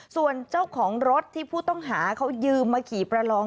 ส่วนเจ้าของรถที่ผู้ต้องหาเขายืมมาขี่ประลอง